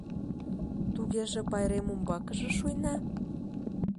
— Тугеже пайрем умбакыже шуйна?..